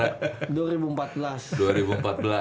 masih kuliah tahun berapa sih terra